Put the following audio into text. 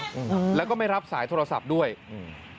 อืมแล้วก็ไม่รับสายโทรศัพท์ด้วยอืม